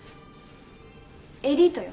エリートよ。